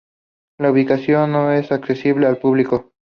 La ubicación no es accesible al público.